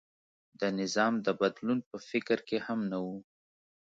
د نظام د بدلون په فکر کې هم نه و.